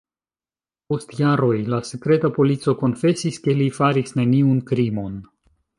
Post jaroj la sekreta polico konfesis, ke li faris neniun krimon.